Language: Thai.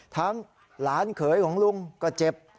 หลานเขยของลุงก็เจ็บ